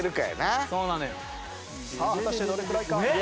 さあ果たしてどれくらいか？